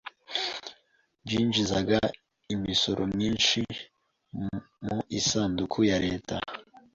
byinjizaga imisoro myinshi mu isanduku ya Leta.